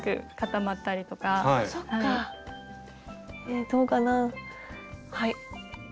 えどうかなはい。